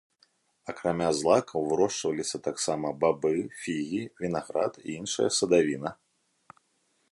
Акрамя злакаў вырошчваліся таксама бабы, фігі, вінаград і іншая садавіна.